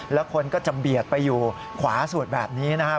แล้วคนก็จะเบียดไปอยู่ขวาสุดแบบนี้นะครับ